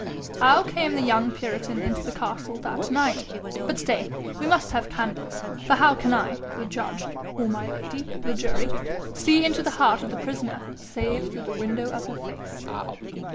How came the young puritan into the castle that night? But stay: we must have candles, for how can I, the judge, or my lady, the jury, see into the heart of the prisoner save through the window of her face?'